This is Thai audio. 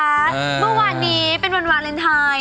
เมื่อวานนี้เป็นวันวาเลนไทย